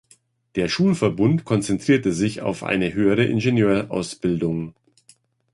Der Schulverbund konzentrierte sich auf eine höhere Ingenieurausbildung.